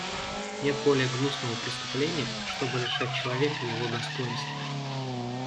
Нет более гнусного преступления, чтобы лишать человека его достоинства.